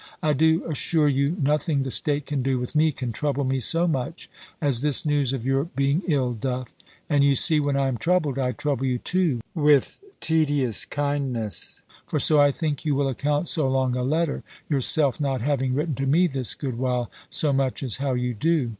I do assure you nothing the state can do with me can trouble me so much as this news of your being ill doth; and you see when I am troubled, I trouble you too with tedious kindness; for so I think you will account so long a letter, yourself not having written to me this good while so much as how you do.